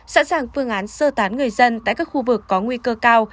sẵn sàng phương án sơ tán người dân tại các khu vực có nguy cơ cao